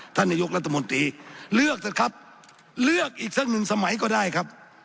ท่านนายกรัฐมนตรีเลือกเถอะครับเลือกอีกสักหนึ่งสมัยก็ได้ครับ